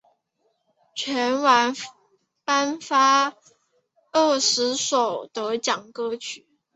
全晚颁发二十首得奖歌曲。